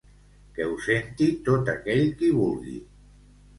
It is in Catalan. Que ho senti tot aquell qui vulgui.